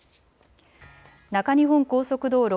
中日本高速道路